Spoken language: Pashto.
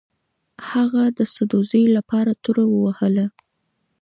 هغه د سدوزیو لپاره توره ووهله.